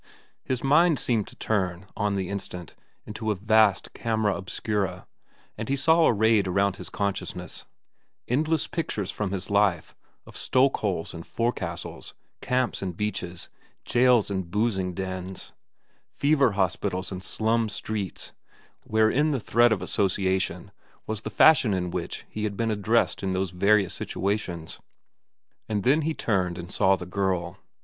His mind seemed to turn, on the instant, into a vast camera obscura, and he saw arrayed around his consciousness endless pictures from his life, of stoke holes and forecastles, camps and beaches, jails and boozing kens, fever hospitals and slum streets, wherein the thread of association was the fashion in which he had been addressed in those various situations. And then he turned and saw the girl.